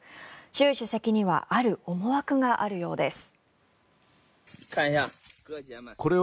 習主席にはある思惑があるようです。